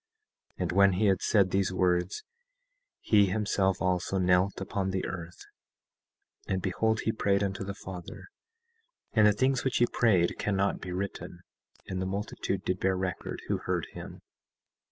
17:15 And when he had said these words, he himself also knelt upon the earth; and behold he prayed unto the Father, and the things which he prayed cannot be written, and the multitude did bear record who heard him.